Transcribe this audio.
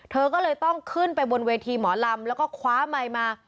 เธอก็เลยต้องขึ้นไปบนเวทีหมอลำแล้วก็คว้าไมค์มา